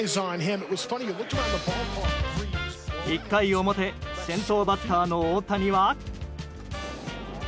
１回表先頭バッターの大谷は。